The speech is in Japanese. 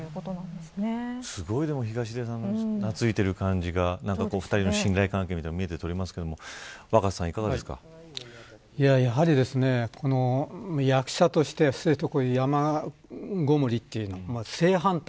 でも、すごい東出さんに懐いてる感じが信頼関係が見て取れますけど若狭やはり役者として山ごもりというのは正反対。